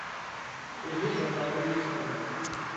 Ihuzz aqeṛṛuy-is Tom.